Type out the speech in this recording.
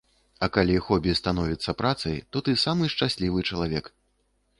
А калі хобі становіцца працай, то ты самы шчаслівы чалавек.